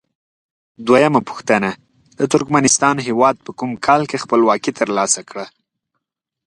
دویمه پوښتنه: د ترکمنستان هیواد په کوم کال کې خپلواکي تر لاسه کړه؟